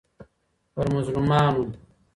پر مظلومانو